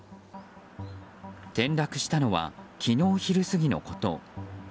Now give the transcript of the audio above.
転落したのは昨日昼過ぎのこと。